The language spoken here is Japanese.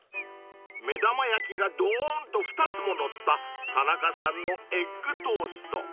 ［目玉焼きがドーンと２つも載った田中さんのエッグトースト］